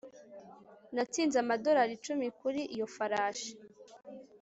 natsinze amadorari icumi kuri iyo farashi